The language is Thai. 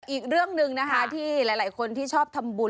อีกเรื่องหนึ่งนะคะที่หลายคนที่ชอบทำบุญ